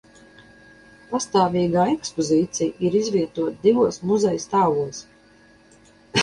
Pastāvīgā ekspozīcija ir izvietota divos muzeja stāvos.